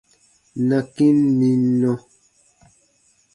Na kĩ n nim nɔ.